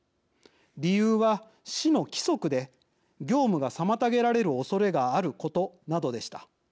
理由は市の規則で業務が妨げられるおそれがあることなどでした。